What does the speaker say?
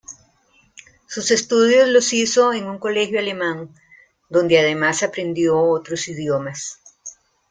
Sus estudios los hizo en un colegio alemán, donde además aprendió otros idiomas.